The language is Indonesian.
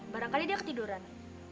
barangkali dia ketiduran